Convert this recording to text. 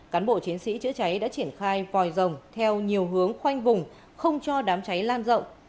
cán bộ chiến sĩ chữa cháy đã triển khai vòi rồng theo nhiều hướng khoanh vùng không cho đám cháy lan rộng